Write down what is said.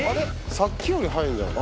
さっきより早いんじゃない？